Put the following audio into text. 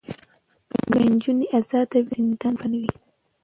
که نجونې ازادې وي نو زندان به نه وي.